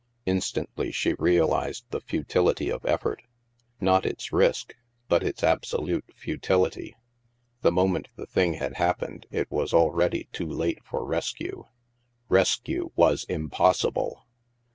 Instantly she realized the futility of eflFort — not its risk, but THE MAELSTROM 237 its absolute futility. The moment the thing had happened, it was already too late for rescue. Res cue was impossible!